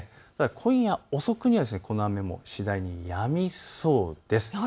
今夜遅くにはこの雨も次第にやみそうです。